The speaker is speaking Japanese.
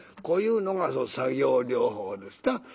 こういうのが作業療法ですな。